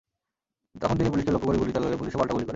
তখন তিনি পুলিশকে লক্ষ্য করে গুলি চালালে পুলিশও পাল্টা গুলি করে।